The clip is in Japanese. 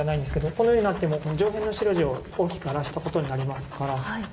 このようになっても上辺の白地を大きく荒らしたことになりますから。